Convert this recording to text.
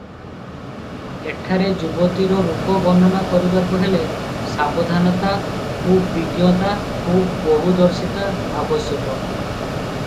ଏଠାରେ ଯୁବତୀର ରୂପ ବର୍ଣ୍ଣନା କରିବାକୁ ହେଲେ ସାବଧାନତା, ଖୁବ୍ ବିଜ୍ଞତା, ଖୁବ୍ ବହୁଦର୍ଶିତା ଆବଶ୍ୟକ ।